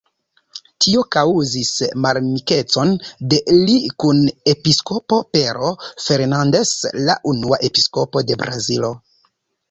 Tio kaŭzis malamikecon de li kun episkopo Pero Fernandes, la unua episkopo de Brazilo.